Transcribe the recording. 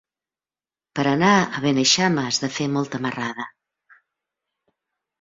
Per anar a Beneixama has de fer molta marrada.